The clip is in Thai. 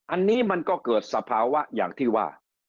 อันนี้มันก็เกิดสภาวะอย่างที่ว่า